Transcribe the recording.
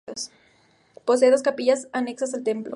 Posee dos capillas, anexas al templo.